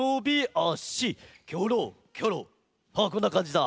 こんなかんじだ。